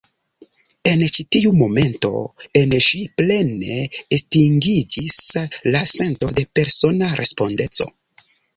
En ĉi tiu momento en ŝi plene estingiĝis la sento de persona respondeco.